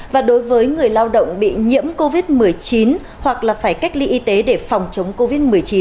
và đối với người lao động bị nhiễm covid một mươi chín hoặc là phải cách ly y tế để phòng chống covid một mươi chín